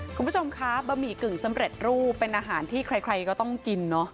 คุณผู้ชมคะบะหมี่กึ่งสำเร็จรูปเป็นอาหารที่ใครก็ต้องกินเนอะ